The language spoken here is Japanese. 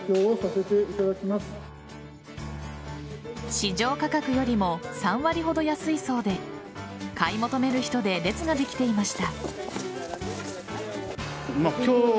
市場価格よりも３割ほど安いそうで買い求める人で列ができていました。